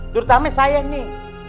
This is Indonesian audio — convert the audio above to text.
terutama saya nih